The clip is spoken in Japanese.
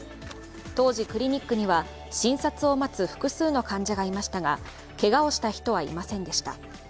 当時、クリニックには診察を待つ複数の患者がいましたがけがをした人はいませんでした。